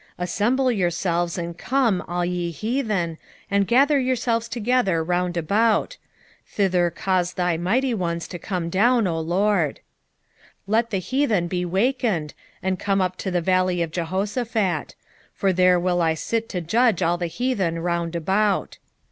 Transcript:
3:11 Assemble yourselves, and come, all ye heathen, and gather yourselves together round about: thither cause thy mighty ones to come down, O LORD. 3:12 Let the heathen be wakened, and come up to the valley of Jehoshaphat: for there will I sit to judge all the heathen round about.